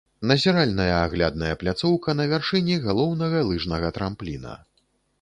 Назіральная аглядная пляцоўка на вяршыні галоўнага лыжнага трампліна.